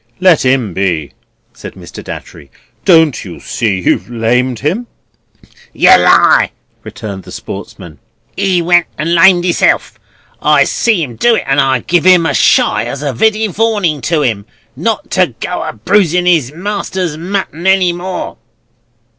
"Let him be!" said Mr. Datchery. "Don't you see you have lamed him?" "Yer lie," returned the sportsman. "'E went and lamed isself. I see 'im do it, and I giv' 'im a shy as a Widdy warning to 'im not to go a bruisin' 'is master's mutton any more."